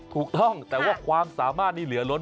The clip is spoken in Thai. ถูกต้องแต่ว่าความสามารถนี้เหลือล้น